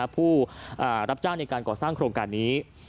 ผู้รับจ้างในการก่อสร้างโครงการนี้